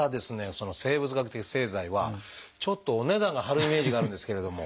その生物学的製剤はちょっとお値段が張るイメージがあるんですけれども。